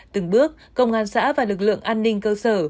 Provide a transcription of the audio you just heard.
từng bước công an xã và lực lượng an ninh cơ sở